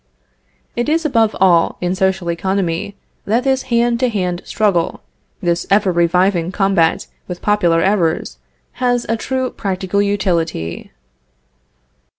It is above all, in social economy, that this hand to hand struggle, this ever reviving combat with popular errors, has a true practical utility.